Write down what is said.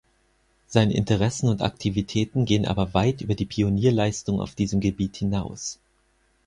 Seine Interessen und Aktivitäten gehen aber weit über die Pionierleistung auf diesem Gebiet hinaus.